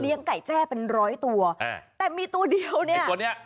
เลี้ยงไก่แจ้เป็น๑๐๐ตัวแต่มีตัวเดียวเนี่ย